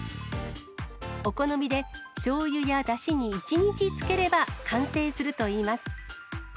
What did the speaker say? お好みでしょうゆやだしに１日漬ければ完成するといいます。